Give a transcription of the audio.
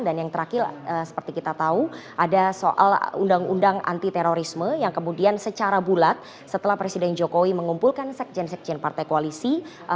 dan yang terakhir seperti kita tahu ada soal undang undang anti terorisme yang kemudian secara bulat setelah presiden jokowi mengumpulkan sekjen sekjen partai koalisi